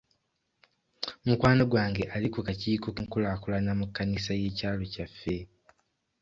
Mukwano gwange ali ku kakiiko k'enkulaakulana mu kkanisa y'ekyalo kyaffe.